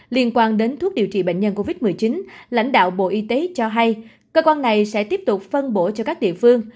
liên quan đến thuốc điều trị bệnh nhân covid một mươi chín lãnh đạo bộ y tế cho hay cơ quan này sẽ tiếp tục phân bổ cho các địa phương